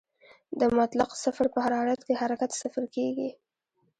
د مطلق صفر په حرارت کې حرکت صفر کېږي.